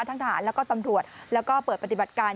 ทหารแล้วก็ตำรวจแล้วก็เปิดปฏิบัติการ